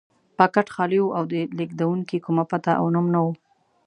پاکټ خالي و او د لېږونکي کومه پته او نوم نه و.